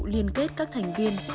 liên kết các thành viên